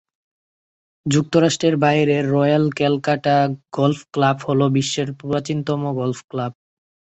যুক্তরাজ্যের বাইরে Royal Calcutta Golf Club হল বিশ্বের প্রাচীনতম গলফ ক্লাব।